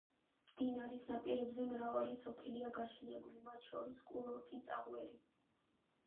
მდინარის ნაპირებზე მრავალი სოფელია გაშენებული, მათ შორის კურორტი წაღვერი.